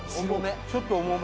ちょっと重め。